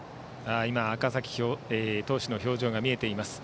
今、赤嵜投手の表情が見えていました。